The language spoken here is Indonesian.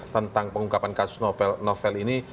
tentang pengungkapan kasus novel novel ini